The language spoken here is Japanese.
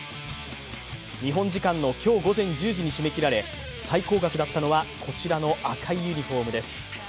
日本時間の今日午前１０時に締め切られ、最高額だったのはこちらの赤いユニフォームです。